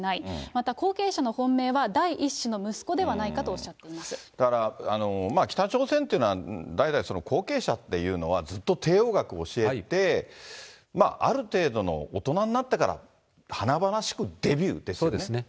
また後継者の本命は第１子の息子だから、北朝鮮っていうのは、代々、後継者っていうのは、ずっと帝王学を教えて、ある程度の大人になってから、華々しくデビューっていうね。